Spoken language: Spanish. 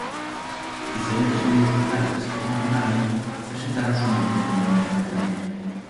Diferentes medios locales y nacionales presentaron su muerte como un enfrentamiento.